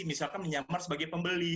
misalkan menyamar sebagai pembeli